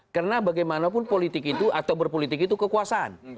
karena bagaimanapun politik itu atau berpolitik itu kekuasaan